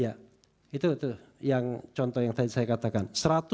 ya itu yang contoh yang tadi saya katakan